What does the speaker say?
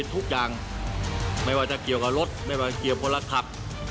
สนุนโดยเอกลักษณ์ใหม่ในแบบที่เป็นคุณโอลี่คัมรี่